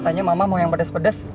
tapi yang jelas